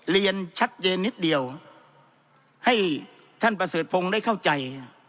เรียนชัดเจนนิดเดียวให้ท่านประเสริฐพงศ์ได้เข้าใจ